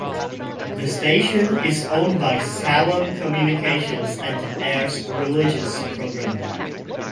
The station is owned by Salem Communications and airs religious programming.